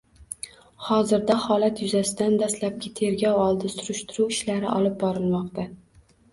Hozirda holat yuzasidan dastlabki tergov oldi surishtiruv ishlari olib borilmoqda